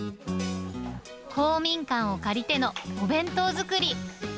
公民館を借りてのお弁当作り。